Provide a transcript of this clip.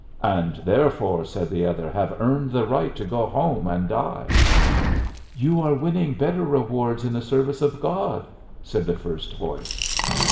"And therefore," said the other, "have earned the right to go home and die." "You are winning better rewards in the service of God," said the first voice.